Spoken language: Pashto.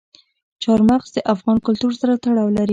چار مغز د افغان کلتور سره تړاو لري.